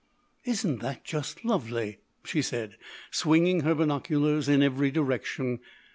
"Isn't that just lovely!" she said, swinging her binoculars in every direction.